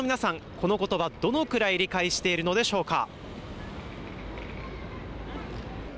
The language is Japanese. このことば、どのくらい理解しているのでしょうか。